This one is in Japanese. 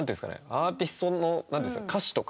アーティストのなんていうんですか。